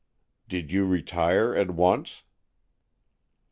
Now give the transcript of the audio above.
"Did you retire at once?"